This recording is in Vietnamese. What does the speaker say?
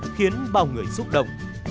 khiến bao người xúc động